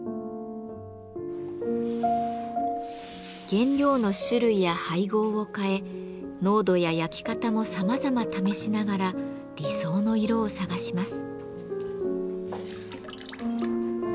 原料の種類や配合を変え濃度や焼き方もさまざま試しながら理想の色を探します。